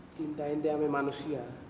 cinta itu sama manusia